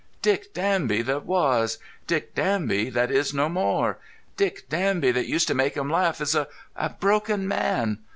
Dick Danby that was; Dick Danby that is no more. Dick Danby, that used to make 'em laugh, is a broken man.